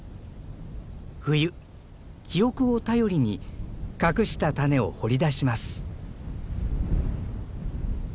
冬記憶を頼りに隠した種を掘り出します。